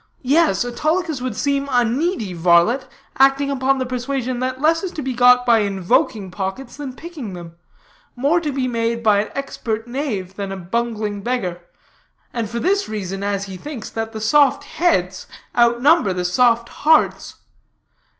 Yes, Autolycus would seem a needy varlet acting upon the persuasion that less is to be got by invoking pockets than picking them, more to be made by an expert knave than a bungling beggar; and for this reason, as he thinks, that the soft heads outnumber the soft hearts.